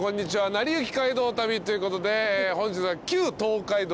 『なりゆき街道旅』ということで本日は。